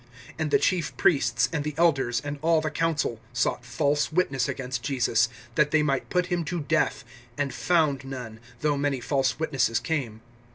(59)And the chief priests, and the elders, and all the council, sought false witness against Jesus, that they might put him to death; (60)and found none, though many false witnesses came.